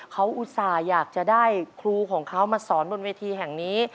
เขาอุตส่าห์อยากจะได้ครูของเขามาสอนบนเวทีแห่งนี้